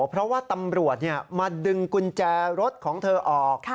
เพราะว่าตำรวจมาดึงกุญแจรถของเธอออก